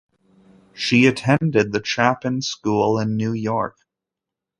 She attended the Chapin School in New York.